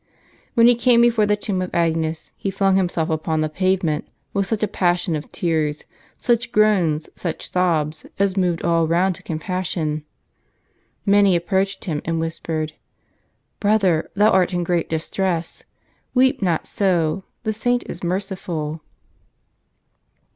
When he came before the tomb of Agnes, he flung himself upon the pavement with such a passion of tears, such groans, such sobs, as moved all around to compassion. Many approached him, and whis pered, ' Brother, thou art in great distress ; weej) not so, the saint is merciful.'